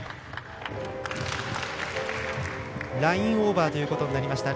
ラインオーバーということになりました。